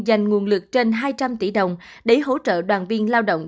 dành nguồn lực trên hai trăm linh tỷ đồng để hỗ trợ đoàn viên lao động